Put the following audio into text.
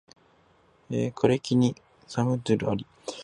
枯木に寒鴉あり